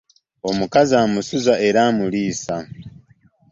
Omukazi amusuza era amuliisa.